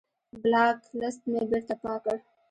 بلاک لست مې بېرته پاک کړ.